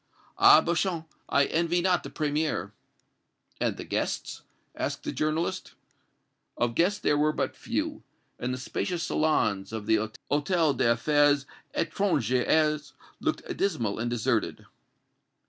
Ah, Beauchamp, I envy not the Premier!" "And the guests?" asked the journalist. "Of guests there were but few; and the spacious salons of the Hôtel des Affaires Étrangères looked dismal and deserted."